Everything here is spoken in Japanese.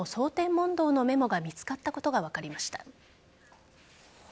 問答のメモが見つかったことが分かりました。